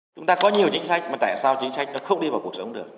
chúng ta có nhiều chính sách mà tại sao chính sách nó không đi vào cuộc sống được